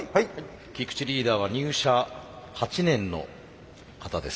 菊池リーダーは入社８年の方です。